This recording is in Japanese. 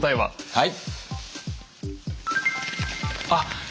はい。